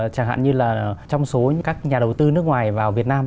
chẳng hạn như là trong số những nhà đầu tư nước ngoài vào việt nam